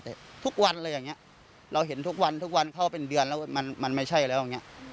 แต่ทุกวันอะไรอย่างนี้เราเห็นทุกวันทุกวันเข้าเป็นเดือนแล้วมันไม่ใช่แล้วอย่างนี้